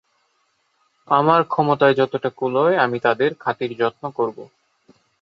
আমার ক্ষমতায় যতটা কুলায়, আমি তাঁদের খাতির-যত্ন করব।